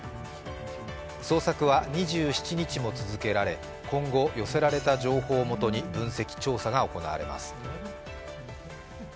捜索は２７日にも続けられ今後寄せられた情報をもとに分析・調査が行われます。